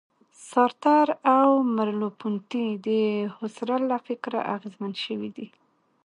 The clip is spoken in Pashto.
سارتر او مرلوپونتې د هوسرل له فکره اغېزمن شوي دي.